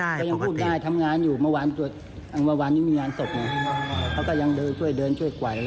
ไม่เคยสร้างปัญหาภายใดหวัง